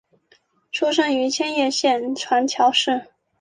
出身于千叶县船桥市。